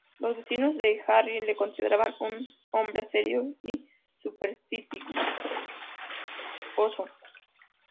Los vecinos de Harris le consideraban un hombre serio y supersticioso.